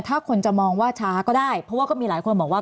ถ้าคนจะมองว่าช้าก็ได้เพราะว่าก็มีหลายคนบอกว่า